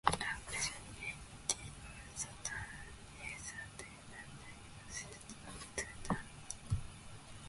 A peculiarity of the tunnel is that it actually consists of two tunnels.